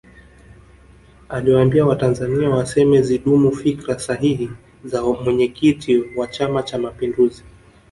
aliwaambia watanzania waseme zidumu fikra sahihi za mwenyekiti wa chama cha mapinduzi